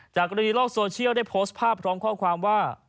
กรณีโลกโซเชียลได้โพสต์ภาพพร้อมข้อความว่า